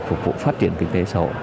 phục vụ phát triển kinh tế sổ